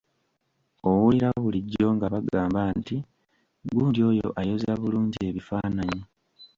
Owulira bulijjo nga bagamba nti: "Gundi oyo ayoza bulungi ebifaananyi."